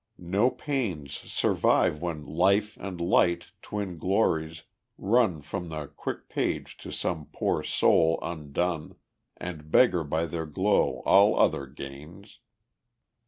No pains Survive when "Life" and "Light," twin glories, run From the quick page to some poor soul undone, And beggar by their glow all other gains.